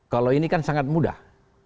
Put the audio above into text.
kalau ini kan sangat mudah